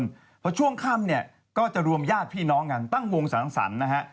เพราะช่วงค่ำเนี่ยก็จะรวมญาติพี่น้องกันตั้งวงสังสรรค์นะฮะ